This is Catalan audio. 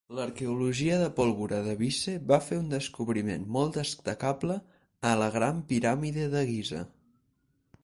L"arqueologia de pólvora de Vyse va fer un descobriment molt destacable a la Gran piràmide de Giza.